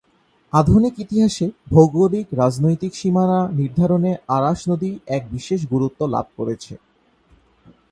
আধুনিক ইতিহাসে, ভৌগোলিক রাজনৈতিক সীমানা নির্ধারণে আরাস নদী এক বিশেষ গুরুত্ব লাভ করেছে।